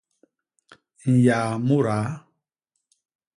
Nyaa mudaa.